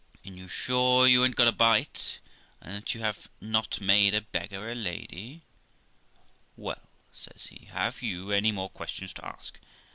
Are you sure you ha'n't got a bite, and that you have not made a beggar a lady?' 'Well', says he, 'have you any more questions to ask?